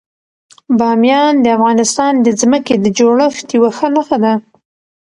بامیان د افغانستان د ځمکې د جوړښت یوه ښه نښه ده.